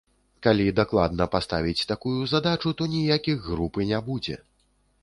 Калі дакладна паставіць такую задачу, то ніякіх груп і не будзе.